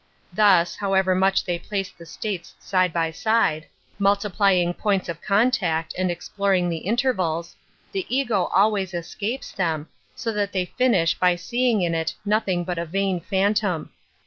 Thus, however much they place the states side by side, 32 \n Introduction to mijltiplying points of contact and exploring the intervals, the ego always escapes them, so that they finish by seeing in it nothing bnt a vain phantom.